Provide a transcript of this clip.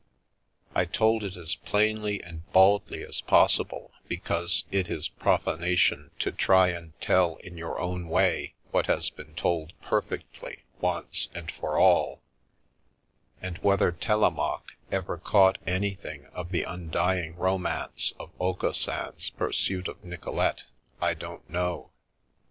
I told it as plainly and baldly as possible because it is profana tion to try and tell in your own way what has been told perfectly once and for all, and whether Telemaque ever caught anything of the undying romance of Aucassin's pursuit of Nicolete I don't know.